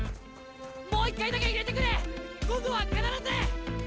もう一回だけ入れてくれ今度は必ず！